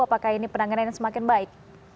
apakah ini penanganan yang semakin baik